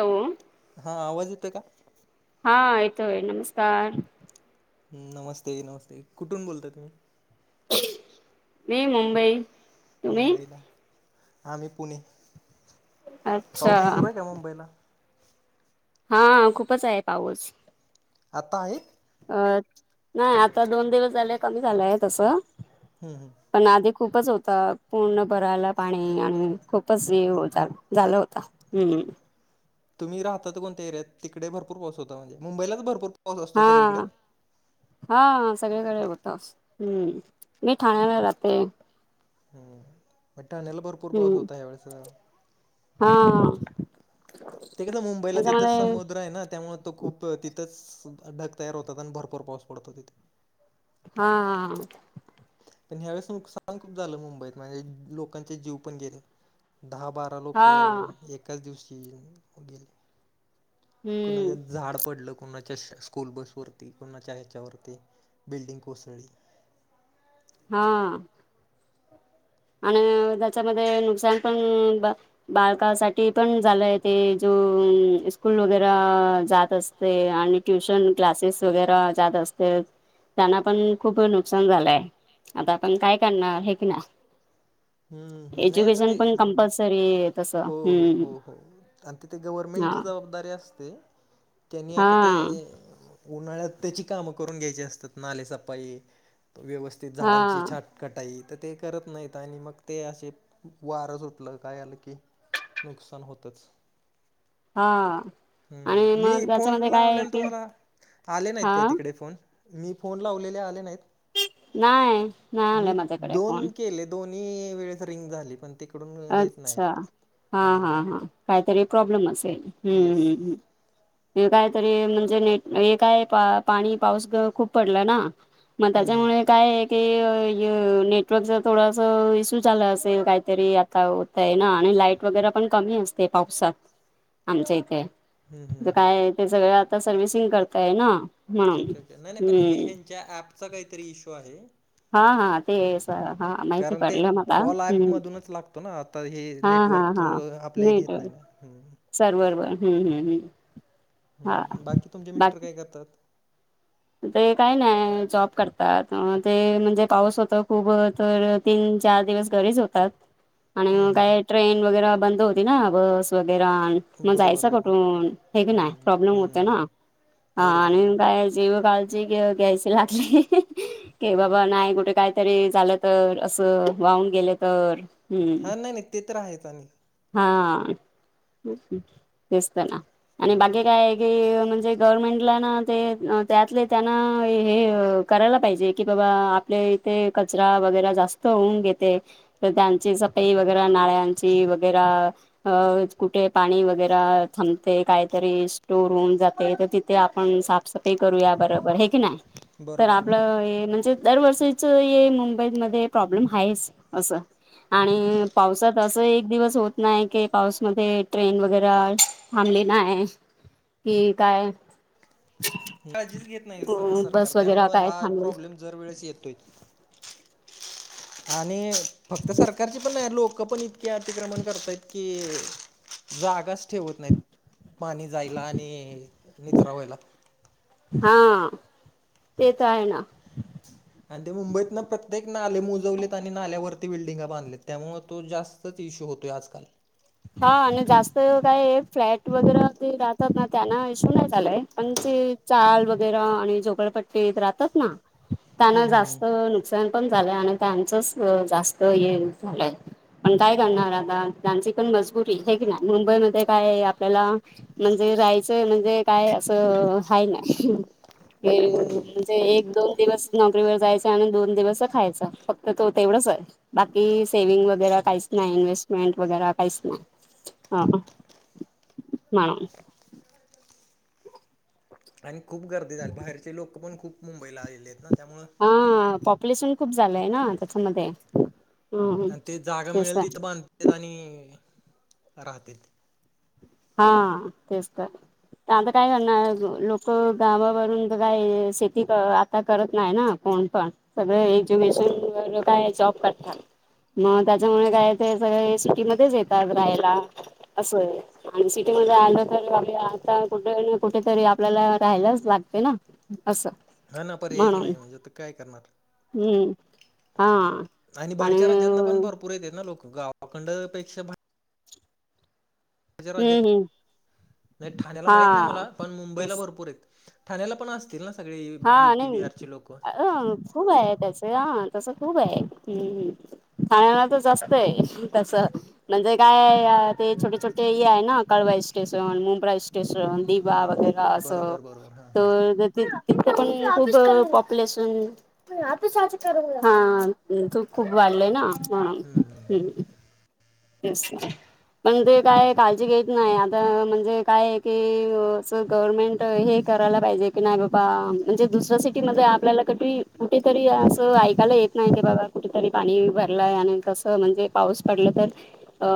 Hello हा, आवाज येतोय का? हा येतोय, नमस्कार. हं नमस्ते नमस्ते, कुठून बोलताय तुम्ही? मी मुंबई. तुम्ही मुंबईला. आम्ही पुणे, अच्छा पाऊस सुरू आहे का मुंबईला? हा, खूपच आहे पाऊस. आता आहे? अ नाही आता दोन दिवस झाले, कमी झालाय तसं. हुं हुं. पण आधी खूपच होता. पूर्ण भरायला पाणी आणि खूपच हे [unintelligible] झालं होत. अं तुम्ही राहता तो कोणत्या एरियात? तिकडे भरपूर पाऊस होता म्हणजे. मुंबईलाच भरपूर पाऊस असतो सगळीकडे हा. हा सगळीकडे होताच. हम्म, मी ठाण्याला राहते. हुं, मग ठाण्याला भरपूर पाऊस हम्म होता ह्यावेळेस जरा. हा. ते कसं मुंबईला तिथंच याच्यामध्ये समुद्र आहे ना, त्यामुळे तो खूप तिथंच ढग तयार होतात आणि भरपूर पाऊस पडतो तिथे. हा हा. पण ह्या वेळेस नुकसान खूप झालं मुंबईत, म्हणजे लोकांचे जीवपण गेले. दहा, बारा रा लोक हा एकाच दिवशी गेले. हम्म कुणाच्यात झाड पडलं कोणाच्या स्कूल बसवरती, कोणाच्या ह्याच्यावरती बिल्डिंग कोसळली. हा. आणि त्याच्यामध्ये नुकसान पण बालकासाठी पण झालं आहे ते जो स्कूल वगैरे जात अस ते आणि ट्युशन क्लासेस वगैरा जात असते. त्यांना पण खूप नुकसान झालंय, आता आपण काय करणार हे की नाय. हम्म, नाही आता ते पण कंपल्सरी तसं हो हो हम्म हो हो आणि तिथे हा गव्हर्नमेंटची जबाबदारी असते. त्यांनी हा आता ते उन्हाळ्यात त्याची कामं करून घ्यायची असतात नाले सफाई व्यवस्थित झाडांची हा छाट कटाई तर ते करत नाहीत आणि मग ते असे वार सुटलं काय, आलं की नुकसान होतच. हा आणि हम्म मी मग फोन त्याच्यामध्ये काय आहे लावलेल की तुम्हाला आले नाहीत हा काय तिकडे फोन? मी फोन लावलेले आले नाहीत? नाही नाही मी आलं माझ्याकडे फोन. दोन केले दोन मी वेळेस रिंग झाली पण तिकडून हेच नाही. अच्छा हा, हा, हम्म हा. काहीतरी प्रॉब्लेम असेल. हम्म, येस हम्म, हम्म. हे कायतरी म्हणजे नेट हे काय पाणी, पाऊस खूप पडला ना मग हम्म हम्म त्याच्यामुळे काय आहे की हे नेटवर्कचा थोडास इश्यू झाला असेल. काहीतरी आ होतय ना आणि लाईट वगैरे पण कमी असते पावसात आमच्या इथे. हम्म हम्म काय हम्म ते सगळं आता सर्व्हिसिंग करताय ना. म्हणून ओके ओके नाही नाही पण हे हम्म ह्यांच्या ऍपचा काहीतरी इश्यू आहे. हा हा ते हा माहिती कारण ते पडलं मला कॉल हम्म ऍपमधूनच लागतो ना. आता ही हा हा नेटवर्क प्रो आपल्या हे घेत नाही ना. हम्म. सर्ववर वर हम्म, हम्म, हम्म. हं, हा बाकी तुमचे मिस्टर काय करतात? ते काही नाही जॉब करतात, अ ते म्हणजे पाऊस होत खूप तर तीन चार दिवस घरीच होतात. आणि हम्म मग काय हम्म ट्रेन वगैरे बंद होती ना बस वगैरा मग जायच बरोबर बरोबर कुठून हाय का नाही हम्म प्रॉब्लेम होत हम्म ना. हम्म हा बरोबर आणि बरोबर. काय जीव काळची कि घ्याविच लागली. कि बाबा नाही कुठे काहीतरी झालं तर, असं वाहून गेलं तर हम्म. हा नाही नाही ते तर आहेच आणि हा तेचत ना आणि हम्म बाकी काय म्हणजे गव्हर्मेंटला ना ते अ त्यातले त्यांना हे करायला पाहिजे की बाबा आपले इथे कचरा वगैरे जास्त होऊन घेते. तर त्यांची सफाई वगैरा नाळ्यांची वगैरा अ कुठे पाणी वगैरा थांबते, काहीतरी स्टोअर होऊन जाते तर ति ते आपण साफसफाई करूया बरोबर हे की नाही? तर बरोबर हां आपलं हे म्हणजे दरवर्षीच हे मुंबईमध्ये प्रॉब्लेम आहेच असं. आणि पावसात असं एक दिवस होत नाही की पाऊसमध्ये ट्रेन वगैरा थांबली नाही की आहे काळजीच घेत नाही सरकार बस वगैरे त्यामुळं काय हा थांबली प्रॉब्लेम जर वेळेस येतोय. आणि फक्त सरकारची पण नाही लोक पण इतके अतिक्रमण करतयत की जागाच ठेवत नाहीत. पाणी जायला आणि निचरा व्हायला. हा, ते तर आहे ना. आणि ते मुंबईत ना प्रत्येक नाले मुजवलेत आणि नाल्यावरती बिल्डिंगा बांधलेत. त्यामुळं तो जास्त तेच इशू होतो आहे आजकाल. हा आणि जास्त काय फ्लॅट वगैरे ते राहतात ना त्यांना इश्यू नाहीच आलाय, पण ते चाळ वगैरा आणि झोपडपट्टीत राहतात ना त्यांना हम्म हम्म जास्त सण पण झालंय आणि त्यांचंच जास्त हे झालंय पण काय करणार आता त्यांची पण मजबुरी हे की नाही मुंबईमध्ये काय आपल्याला म्हणजे राहायचं म्हणजे काय असं अ आहे नाही. ते हम्म हम्म म्हणजे एक दोन दिवस नोकरीवर जायचं आणि दोन दिवस खायचा फक्त तो तेवढंच आहे. बाकी सेव्हिंग वगैरा काहीच नाही इन्हेस्टमेंट वगैरा. काहीच नाही. अ‌ हं [unintelligible] आणि खूप गर्दी झाली. बाहेरचे लोक पण खूप मुंबईला आलेत ना त्यामुळं हा पॉप्युलेशन खूप झालंय ना त्याच्यामध्ये. हम्म आणि ते जागा तेच मिळेल तर तिथं बांधतेत आणि राहतेत. हा तेच तर. आता काय करणार ल लोक गावावरून तर काय शेती अ काय करत नाही ना कोण पण, सगळें हम्म एज्युकेशन [unintelligible] जॉब करतात. मग त्याच्यामुळे काय ते सगळे सिटीमध्येच येतात राहायला असं आहे. आणि सिटीमध्ये आलं तर आपल्या आता कुठ नि कुठतरी आपल्याला राहायलाच लागत ना. असं. हा ना पर्यायच म्हणून नाही मग तर काय करणार. हम्म, हा. आणि बाहेरच्या राज्यातनं पण भरपूर येतेत ना लोक गावाकंड पेक्षा पण माज्या राज्यत हम्म हम्म नाय ठाण्याला माहित नाही मला हा पण मुंबईला तेच भरपूर आहेत. ठाण्याला पण असतील ना सगळी हा यूपी नाही बिहारची लोकं? अ खूप आहे त्याच हा तसं खूप आहे हम्म. ठाण्याला तर जास्त आहे तस. म्हणजे काय अ ते छोटे छोटे हे आहे ना कळवाई स्टेशन, मुंब्रा ईस स्टेशन दिवा हम्म वगैर असं बरोबर बरोबर हा हा तर तिथं पण खूप पॉप्युलेशन हा तू खूप वाढलय ना म्हणून हम्म. तेच. पण ते काय काळजी घेत नाही. आता म्हणजे काय ते अस गव्हर्मेंट तर हे करायला पाहिजे, की नाही बाबा म्हणजे दुसऱ्या सिटीमध्ये आपल्याला कधी कुठेतरी असं ऐकायला येत नाही की बाबा कुठेतरी पाणी भरलंय आणि कसं म्हणजे पाऊस पडलं, तर अ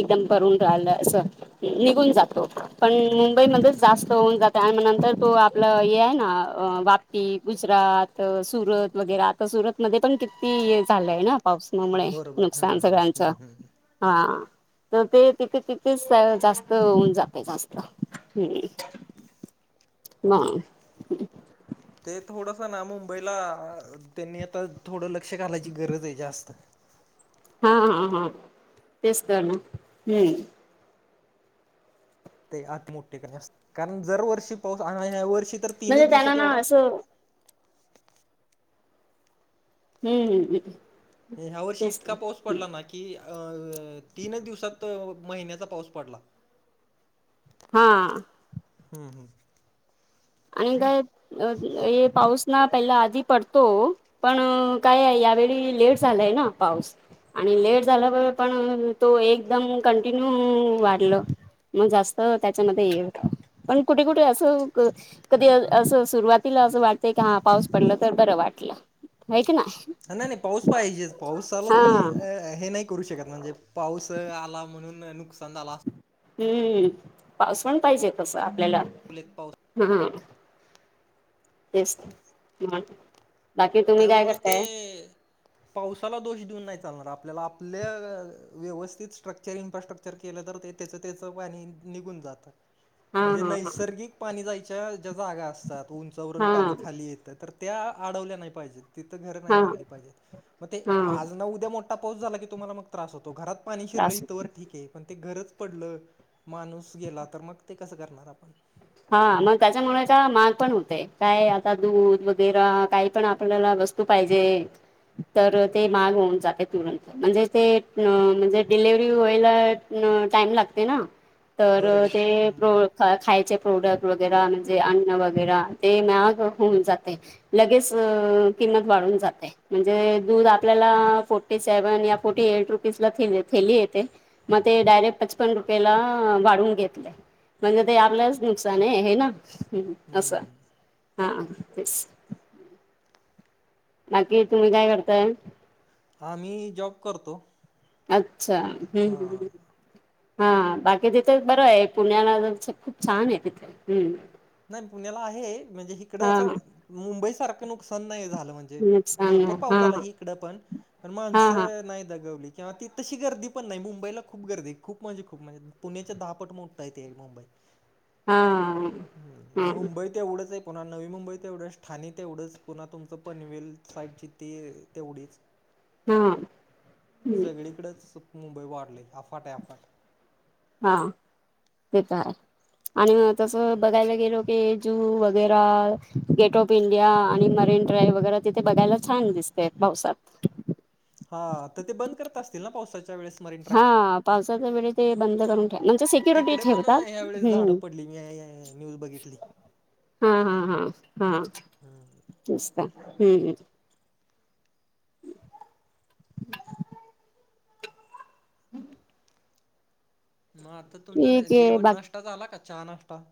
एकदम भरून राहिलं अस निघून जातो. पण मुंबईमध्ये जास्त होऊन जात त्यानंतर तो आपलं हे आहे ना वापी, गुजरात, सुरत वगैरा त तो सुरतमध्ये पण किती हे झालंय ना पावसमुळे बरोबर नुकसान हम्म हम्म सगळ्यांचं. हम्म हम्म हा. तर ते तिथे तिथेच जास्त होऊन जात जास्त हं. मग ते थोडंस ना मुंबईला त्यांनी आता थोडं लक्ष घालायची गरज आहे जास्त. हा, हा, हा. तेच तर ना हम्म. ते आत मोठे [unintelligible] कारण दरवर्षी पाऊस आणि ह्या वर्षी तर तीनच म्हणजे त्यांना दिवसात ना एवढा असं हम्म. आणि ह्या वर्षी तेच तर. इतका पाऊस पडला ना की की अ तीनच दिवसात महिन्याचा पाऊस पडला. हा. हम्म, हम्म. आणि काय अ ये पाऊस ना पहिला आधी पडतो पण अ काय आहे, यावेळी लेट झालाय ना पाऊस. आणि लेट झाल्यावर पण तो एकदम कंटिन्यू वाढलं. मग जास्त त्याच्यामध्ये ये [unintelligible] पण कुठे कुठे असं कधी असं सुरुवातीला असं वाटतंय की हा पाऊस पडल तर बरं वाटलं. आहे की नाय? नाही नाही पाऊस पाहिजेच. पाऊसाला तुम्ही अ हे नाही करू शकत. म्हणजे पाऊस आला, म्हणून नुकसान झाला असं हम्म, पाऊसपण पाहिजे तसा आपल्याला. [unintelligible] पाऊ हम्म, तेच ते हम्म. बाकी तुम्ही काय करताय? पाऊसाला दोष देऊन नाही चालणार आपल्याला. आपल्या व्यवस्थित स्ट्रक्चर इन्फ्रास्ट्र क्चर केलं, तर ते तेच तेच पाणी निघून जातं. हा म्हणजे हा नैसर्गिक पाणी जायच्या ज्या जागा असतात, उंचावरून हा पाणी खाली येत तं. तर त्या आडवल्या नाही पाहिजेत. तिथं घर नाही हा हा बांधली पाहिजेत. म ते हा आज ना उद्या मो ठा पाऊस झाला की, तुम्हाला मग त्रास होतो. घरात पाणी शिरलं त्रास इथं वर ठीक आहे. पण ते घरच पडलं, माणूस गेला. तर मग ते कसं करणार आपण? हा मग त्याच्यामुळेच महागपण होतेय. काय आता दूध वगैरा काहीपण आपल्याला वस् तू पाहिजे तर ते माग होऊन जाते तुरंत. म्हणजे ते म्हणजे डिलेव्हरी व्हायला न टाईम लागतंय ना. तर बरोबर ते प्रो हम्म खायचे प्रोडक्ट वगैरा म्हणजे अन्न वगैरा ते म्याग होऊन जातंय. लगेच किंमत वाढून जाते. म्हणजे दूध आपल्याला फोर्टी सेव्हन या फोर्टी एट रुपीजला थेली थैली येते‌. म ते डायरेक्ट पचपन रुपयेला वाढवून घेतलंय. म्हणजे ते आपलच नुकसान आहे हे ना, हम्म हम्म असं. हा तेच. बाकी, तुम्ही काय करताय? आम्ही जॉब करतो. अच्छा, हम्म हां हम्म. हा बाकी तिथेच बरं आहे, पुण्याला जरसं खूप छान आहे तिथं हम्म. नाही पुण्याला आहे. म्हणजे इकडं हा असं हा मुंबईसारखं नुकसान नाही झालं म्हणजे. नुकसान भरपूर नाही. पाऊस झाला हा हीकडंपण, पण हा हा माणसं नाही दगवली. किंवा ती तशी गर्दी पण नाही. मुंबईला खूप गर्दी हाय, खूप म्हणजे खूप म्हणजे पुणेच्या दहापट मोठाय ते मुंबई. हा. हम्म म हा मुंबई तेवढंच आहे. पुन्हा नवी मुंबई तेवढंच, ठाणे तेवढंच पुन्हा तुमचं पनवेल साईडची ते तेवढीच. [unintelligible] हम्म. सगळीकडच मुंबई वाढलंय, आफाट आहे आफाट. हा, ते त हाय. आणि तसं बघायला गेलो, की जू वगेरा गेट ऑफ इंडिया आणि मरीन ड्राईव्ह वगेरा तिथे बघायला छान दिसते पावसात. हा, आता ते बंद करत असतील ना पाऊसाच्या वेळेस? मरीन हा ड्राईव्ह पाऊसाच्या वेळी ते बंद करून ठेव, म्हणजे सिक्युरिटी तिकडे पण ठेवतात, ह्यावेेळेस झाडं हम्म. पडली मी [unintelligible] न्यूज बघितली. हा हा हा हा, तीचका हम्म हम्म. [unintelligible] हम्म. म आता तुमचा आहे जेवण, बाकी नष्टा झाला का? चहा, नाष्टा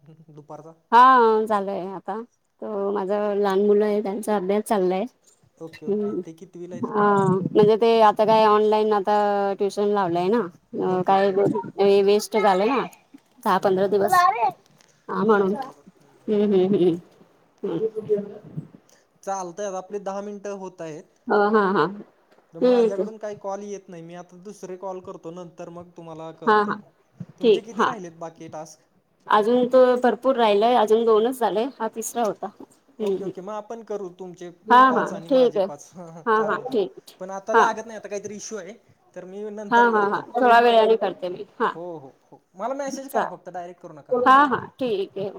दुपारचा? हा झाला आहे आता. त माझं लहान मुलं आहे, त्यांचा अभ्यास चाललाय. ओके ओके हं ते कितवीला आहेत? आ. म्हणजे ते आता काय ऑनलाईन आता ट्युशन लावलंय ना. अ ओके काय ओके गो ओके वेस्ट झालं ना दहा पंधरा हम्म. दिवस हा म्हणून. बरोबर बरोबर हम्म. हं हं हं हं. चालतंय, आता आपले दहा मिनिटं होत आहेत. हा हा हा तर ठीक माझ्याकडून काही कॉल येत नाही मी आता दुसरे कॉल करतो नंतर मग तुमला हा हा करतो तुमचे ठीक किती हा राहिलेत बाकी टास्क? अजून तर भरपूर राहिलय अजून दोनच झालेय हा तिसरा होता. हम्म ओके ओके हम्म मग आपण करू तुमचे हा हा पाच आणि ठीक माझे आहे पाच ह ह हा हा चालेल. ठीक आहे. पण आता हा लागत नाही आता काहीतरी इशू आहे. तर मी हा नंतर हा करतो हा थोडा वेळाने करते मी हा हो हो हो मला मेसेज करा फक्त चालेल डायरेक्ट करू नका. हो. हा ठीक अहे.